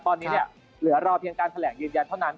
ตอนนี้เหลือรอเพียงการแถลงยืนยันเท่านั้น